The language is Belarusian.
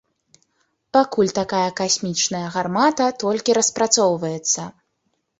Пакуль такая касмічная гармата толькі распрацоўваецца.